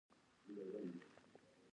آیا د بندونو جوړول افغانان کوي؟